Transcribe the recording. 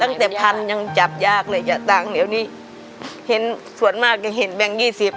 ตั้งแต่พันยังจับยากเลยจะตังค์เดี๋ยวนี้เห็นส่วนมากจะเห็นแบงค์ยี่สิบ